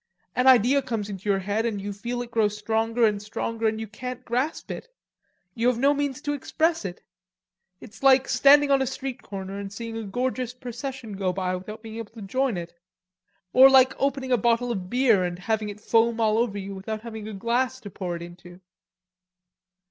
An idea comes into your head, and you feel it grow stronger and stronger and you can't grasp it; you have no means to express it. It's like standing on a street corner and seeing a gorgeous procession go by without being able to join it, or like opening a bottle of beer and having it foam all over you without having a glass to pour it into."